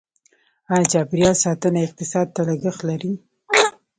آیا چاپیریال ساتنه اقتصاد ته لګښت لري؟